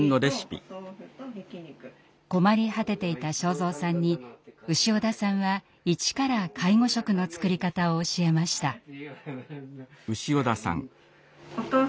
困り果てていた昭蔵さんに潮田さんは一から介護食の作り方を教えました。